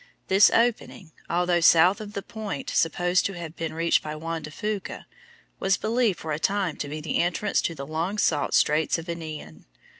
This opening, although south of the point supposed to have been reached by Juan de Fuca, was believed for a time to be the entrance to the long sought Straits of Anian.